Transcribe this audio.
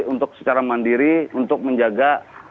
untuk secara mandiri untuk menjaga